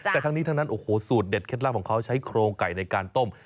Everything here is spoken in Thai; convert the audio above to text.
แต่ทั้งนี้ทั้งนั้นโอ้โหสูตรเด็ดเคล็ดลับของเขาใช้โครงไก่ในการต้ม